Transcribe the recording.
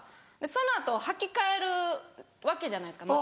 その後はき替えるわけじゃないですか。